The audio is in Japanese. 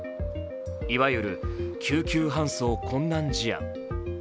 いわゆる救急搬送困難事案。